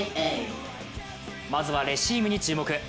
まずはレシーブに注目。